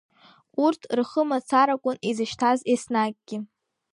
Урҭ рхы мацаракәын изышьҭаз еснагьгьы.